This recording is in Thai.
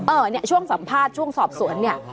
เนี่ยช่วงสัมภาษณ์ช่วงสอบสวนเนี่ย